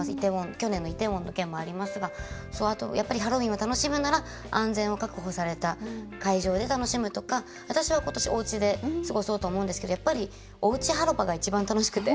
去年のイテウォンの件もありますが、やっぱりハロウィーンを楽しむなら安全を確保された会場で楽しむとか私は今年、おうちで過ごそうと思うんですけどおうちハロパが一番楽しくて。